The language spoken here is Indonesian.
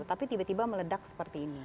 tapi tiba tiba meledak seperti ini